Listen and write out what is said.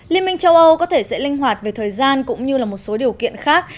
liên minh châu âu có thể sẽ linh hoạt về thời gian cũng như là một số điều kiện khác